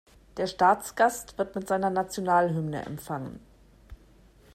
Der Staatsgast wird mit seiner Nationalhymne empfangen.